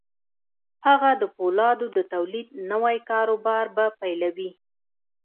هغه د پولادو د تولید نوی کاروبار به پیلوي